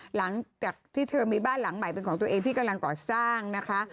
หลังจากที่เธอมีบ้านหลังใหม่เป็นของตัวเองที่กำลังก่อสร้างนะคะ